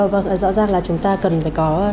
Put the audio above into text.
vâng rõ ràng là chúng ta cần phải có